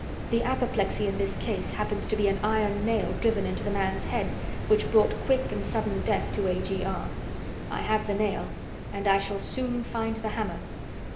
The apoplexy in this case happens to be an iron nail driven into the man's head, which brought quick and sudden death to A.G.R. I have the nail, and I shall soon find the hammer."